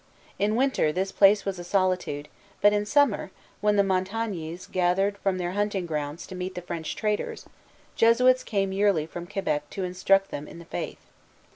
In winter, this place was a solitude; but in summer, when the Montagnais gathered from their hunting grounds to meet the French traders, Jesuits came yearly from Quebec to instruct them in the Faith.